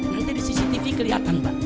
nanti di cctv kelihatan